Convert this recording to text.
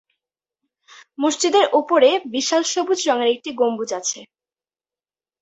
মসজিদের উপরে বিশাল সবুজ রঙের একটি গম্বুজ আছে।